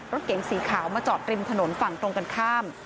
รถเก๋งสีขาวมาจอดริมถนนฝั่งตรงกันข้าม